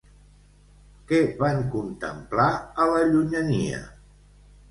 Què van contemplar a la llunyania?